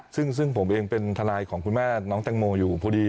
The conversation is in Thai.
ซึ่งผมเองเป็นทนายของคุณแม่น้องแตงโมอยู่พอดี